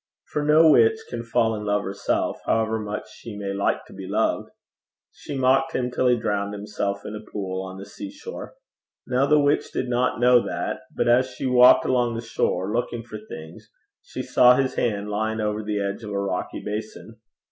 For no witch can fall in love herself, however much she may like to be loved. She mocked him till he drowned himself in a pool on the seashore. Now the witch did not know that; but as she walked along the shore, looking for things, she saw his hand lying over the edge of a rocky basin.